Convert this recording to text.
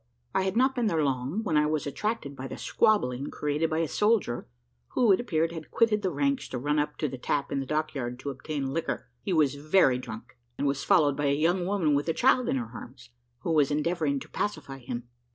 I had not been there long, when I was attracted by the squabbling created by a soldier, who, it appeared, had quitted the ranks to run up to the tap in the dock yard to obtain liquor. He was very drunk, and was followed by a young woman with a child in her arms, who was endeavouring to pacify him.